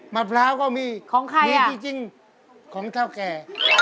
มัดพร้าวก็มีมีที่จริงของชาวแก่มีที่จริงของชาวแก่